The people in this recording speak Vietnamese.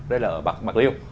đây là ở bạc mạc liêu